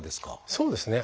そうですね。